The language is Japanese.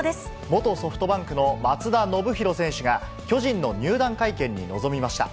元ソフトバンクの松田宣浩選手が、巨人の入団会見に臨みました。